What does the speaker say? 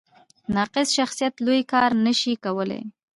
ناقص شخصیت لوی کار نه شي کولی.